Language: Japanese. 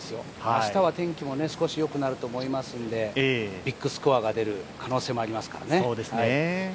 明日は天気も少しよくなると思いますのでビッグスコアが出る可能性もありますからね。